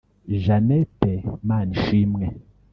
Jeanette Manishimwe